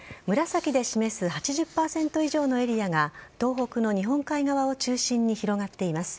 紫で示す８０％以上のエリアが東北の日本海側を中心に広がっています。